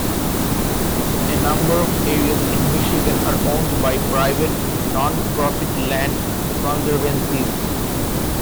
A number of areas in Michigan are owned by private, non-profit land conservancies.